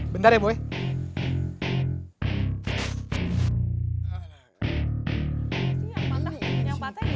bentar ya boy